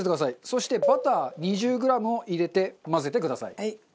そしてバター２０グラムを入れて混ぜてください。